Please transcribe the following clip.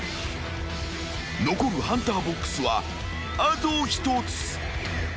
［残るハンターボックスはあと１つ］